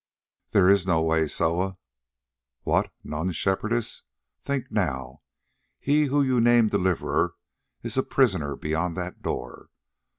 "There is no way, Soa." "What, none, Shepherdess? Think now: he whom you name Deliverer is a prisoner beyond that door.